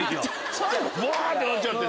最後ブワ！ってなっちゃって。